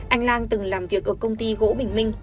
anh lang từng làm việc ở công ty gỗ bình minh